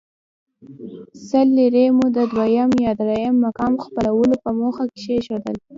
سل لیرې مو د دویم یا درېیم مقام خپلولو په موخه کېښودې.